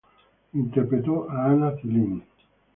Interpretó a Anna Cellini.